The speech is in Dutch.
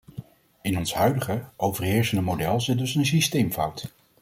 In ons huidige, overheersende model zit dus een systeemfout.